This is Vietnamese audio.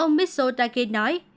ông mitsotakis nói